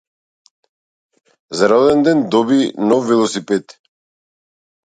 За роденден доби нов велосипед.